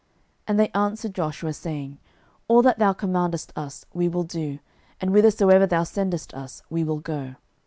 06:001:016 And they answered Joshua, saying, All that thou commandest us we will do, and whithersoever thou sendest us, we will go.